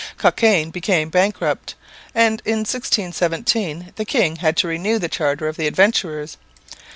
Cockayne became bankrupt, and in 1617 the king had to renew the charter of the Adventurers.